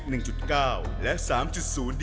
คนเกิดราศีพิจิกษ์คนเคราะห์คนความตายคนการวิบัติ